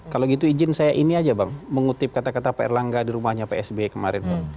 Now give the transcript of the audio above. kalau gitu izin saya ini aja bang mengutip kata kata pak erlangga di rumahnya psb kemarin bang